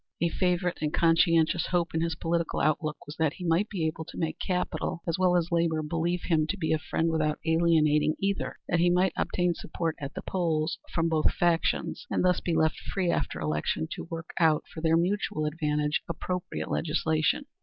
A favorite and conscientious hope in his political outlook was that he might be able to make capital as well as labor believe him to be a friend without alienating either; that he might obtain support at the polls from both factions, and thus be left free after election to work out for their mutual advantage appropriate legislation.